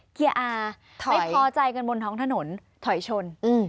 เกียร์อาไม่พอใจกันบนท้องถนนถอยชน